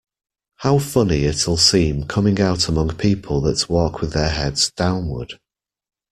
How funny it’ll seem coming out among people that walk with their heads downward!